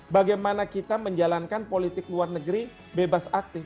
bagaimana kita menjalankan politik luar negeri bebas aktif